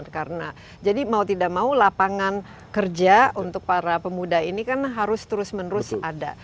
karena jadi mau tidak mau lapangan kerja untuk para pemuda ini kan harus terus menerus ada